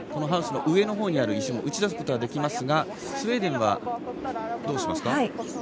ハウスの上のほうにある石を打ち出すはことできますが、スウェーデンはどうしますか？